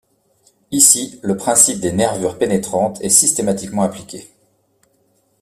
Ici, le principe des nervures pénétrantes est systématiquement appliqué.